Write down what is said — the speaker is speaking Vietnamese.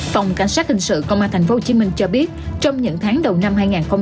phòng cảnh sát hình sự công an thành phố hồ chí minh cho biết trong những tháng đầu năm hai nghìn hai mươi hai